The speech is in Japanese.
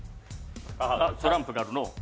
トランプがあるのう。